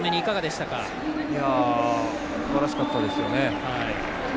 すばらしかったですよね。